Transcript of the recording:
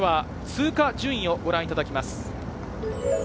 通過順位をご覧いただきます。